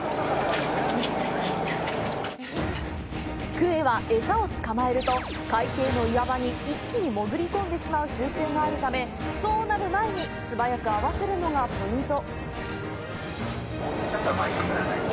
クエは、餌を捕まえると海底の岩場に一気に潜り込んでしまう習性があるためそうなる前に素早く合わせるのがポイント。